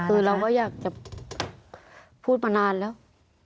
คือเราก็อยากจะพูดมานานแล้ว